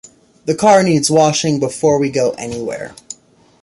The car needs washing before we go anywhere.